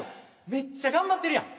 めっちゃ頑張ってるやん。